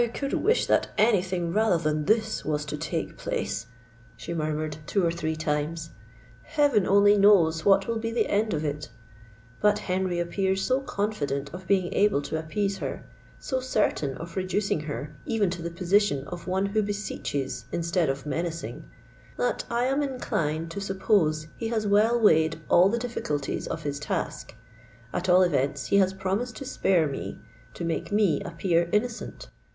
"I could wish that any thing rather than this was to take place!" she murmured two or three times. "Heaven only knows what will be the end of it! But Henry appears so confident of being able to appease her—so certain of reducing her even to the position of one who beseeches instead of menacing—that I am inclined to suppose he has well weighed all the difficulties of his task. At all events he has promised to spare me—to make me appear innocent!